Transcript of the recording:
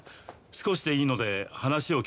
少しでいいので話を。